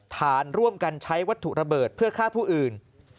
ฐานร่วมกันใช้วัตถุระเบิดเพื่อฆ่าผู้อื่น